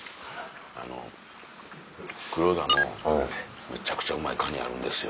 あの黒田の「むちゃくちゃうまいカニあるんですよ」